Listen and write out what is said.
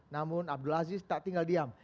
namun abdul aziz tak tinggal diam